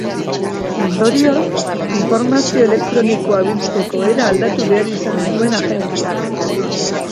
Ondorioz, informazio elektronikoa biltzeko era aldatu behar izan zuen agentziak.